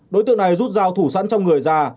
đối tượng này rút dao thủ sẵn trong người già